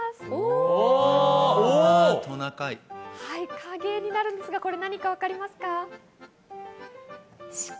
影絵になるんですが、何か分かりますか？